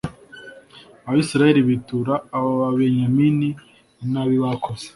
Abisirayeli bitura Ababenyamini inabi bakoze